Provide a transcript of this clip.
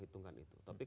jangan tidak benar